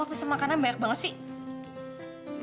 lo pesen makannya banyak banget sih